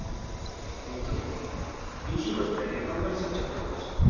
もう一つは意地になって頑張り過ぎちゃうお前への心配。